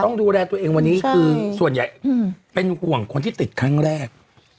ต้องดูแลตัวเองคือส่วนใหญ่คือความห่วงคนที่ติดครั้งแรก